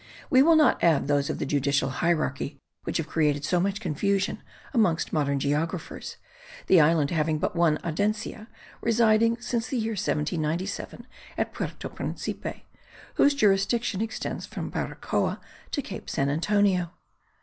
We will not add those of the judicial hierarchy which have created so much confusion amongst modern geographers, the island having but one Audiencia, residing since the year 1797 at Puerto Principe, whose jurisdiction extends from Baracoa to Cape San Antonio.